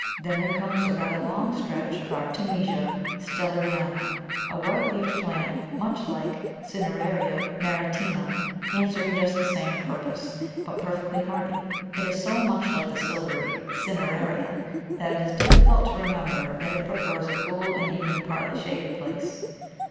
Then there comes a rather long stretch of Artemisia Stelleriana, a white leaved plant much like Cineraria maritima, answering just the same purpose, but perfectly hardy. It is so much like the silvery Cineraria that it is difficult to remember that it prefers a cool and even partly shaded place.